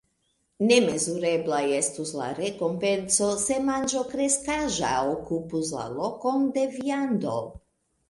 Nemezurebla estus la rekompenco, se manĝo kreskaĵa okupus la lokon de viando.